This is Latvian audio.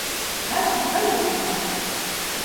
Esmu sajūsmā!